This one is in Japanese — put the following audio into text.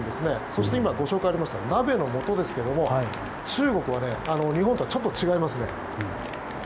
そして今、ご紹介がありました鍋のもとですが中国は日本とはちょっと違いますね。